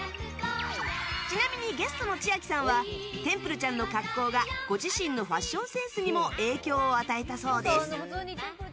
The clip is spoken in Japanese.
ちなみに、ゲストの千秋さんはテンプルちゃんの格好がご自身のファッションセンスにも影響を与えたそうです。